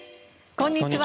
こんにちは。